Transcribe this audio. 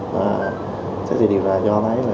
và thế thì điều này do thấy là